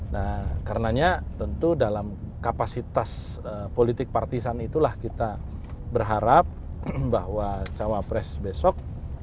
nah karenanya tentu dalam kapasitas politik partisan itulah kita berharap bahwa cawapres besok